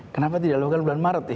kenapa tidak dilakukan bulan maret ya